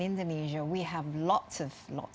di indonesia kita memiliki banyak banyak